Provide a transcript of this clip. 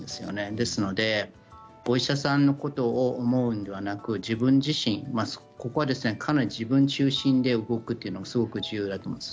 ですので、お医者さんのことを思うのではなく自分自身ここは、かなり自分中心で動くというのが重要だと思います。